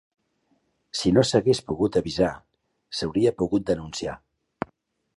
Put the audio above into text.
Si no s'hagués pogut avisar, s'hauria pogut denunciar.